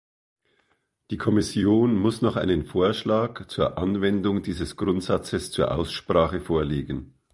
Die Kommission muss noch einen Vorschlag zur Anwendung dieses Grundsatzes zur Aussprache vorlegen.